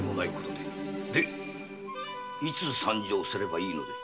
でいつ参上すればいいので？